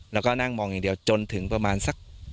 แล้วก็นั่งมองอย่างเดียวจนถึงประมาณสัก